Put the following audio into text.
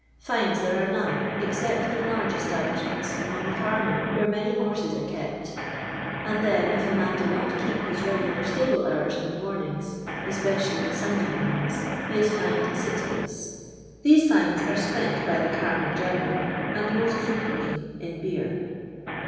Fines there are none, except in large ei>tiblishment3 among the carmen where many horse.^ are kept, and then, if a mnii do pot keep his re«;ular stable hours in the mornings, especially the Sunday mornings, he is fined 6'/. These fines arc speiit by the carmen generally, and most frei^uently in beer.